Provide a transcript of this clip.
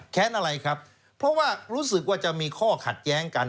อะไรครับเพราะว่ารู้สึกว่าจะมีข้อขัดแย้งกัน